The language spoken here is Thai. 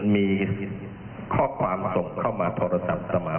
มีข้อความส่งเข้ามาโทรศัพท์เข้ามา